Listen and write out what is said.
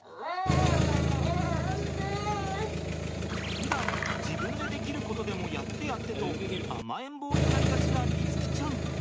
ふだん自分でできることでも「やってやって」と甘えん坊になりがちな律貴ちゃん。